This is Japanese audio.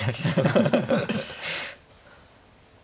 ハハハ。